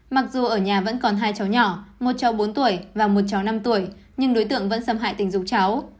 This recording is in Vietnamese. mặc dù ở nhà vẫn còn hai cháu nhỏ một cháu bốn tuổi và một cháu năm tuổi nhưng đối tượng vẫn xâm hại tình dục cháu